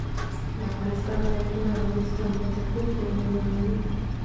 د افغانستان ولايتونه د افغانستان په طبیعت کې مهم رول لري.